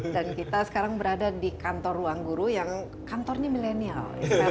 dan kita sekarang berada di kantor ruangguru yang kantornya milenial